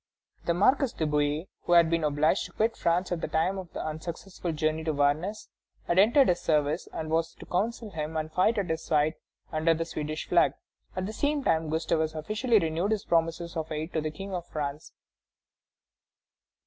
The Marquis de Bouillé, who had been obliged to quit France at the time of the unsuccessful journey to Varennes, had entered his service and was to counsel him and fight at his side under the Swedish flag. At the same time Gustavus officially renewed his promises of aid to the King of France.